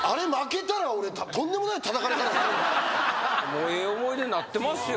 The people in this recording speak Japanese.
もうええ思い出になってますよ